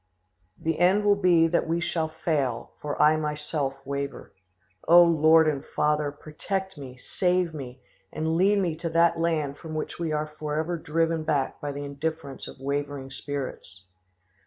The end will be that we shall fall, for I myself waver. O Lord and Father! protect me, save me, and lead me to that land from which we are for ever driven back by the indifference of wavering spirits."